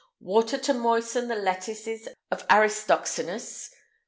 Water, to moisten the lettuces of Aristoxenus!